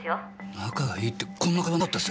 仲がいいってこんな会話なかったですよ。